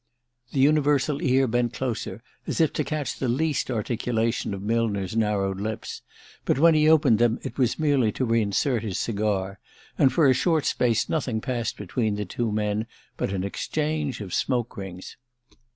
The universal ear bent closer, as if to catch the least articulation of Millner's narrowed lips; but when he opened them it was merely to re insert his cigar, and for a short space nothing passed between the two men but an exchange of smoke rings.